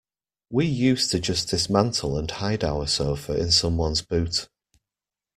We used to just dismantle and hide our sofa in someone's boot.